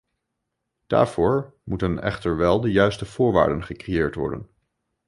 Daarvoor moeten echter wel de juiste voorwaarden gecreëerd worden.